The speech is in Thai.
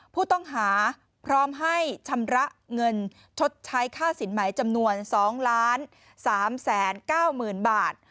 ผู้ต้องหาพร้อมให้ชำระเงินชดใช้ค่าสินไหมจำนวน๒๓๙๐๐๐๐บาท